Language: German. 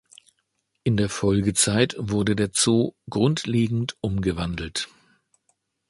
In der Folgezeit wurde der Zoo grundlegend umgewandelt.